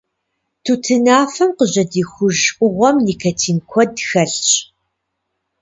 Тутынафэм къыжьэдихуж Ӏугъуэм никотин куэд хэлъщ.